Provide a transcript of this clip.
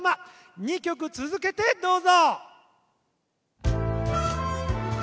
２曲続けてどうぞ。